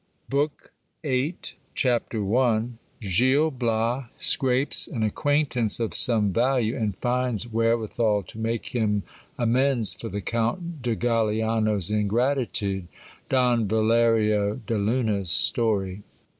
BOOK THE EIGHTH. Ch. I. — Gil Bias scrapes an acquaintance of some value, and finds wherewithal to make him amends for the Count de Galiands ingratitude. Don Valerio d Lunds story.